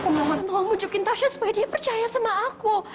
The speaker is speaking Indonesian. aku mau mohon tuhan munjukin tasya supaya dia percaya sama aku